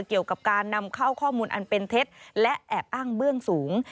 เกี่ยวกับการนำเข้าข้อมูลอันเป็นเท็จและแอบอ้างเบื้องสูง